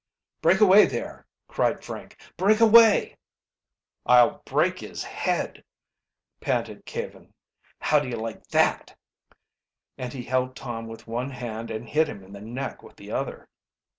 "Break away there!" cried Frank. "Break away!" "I'll break his head!" panted Caven. "How do you like that?" And he held Tom with one hand and hit him in the neck with the other.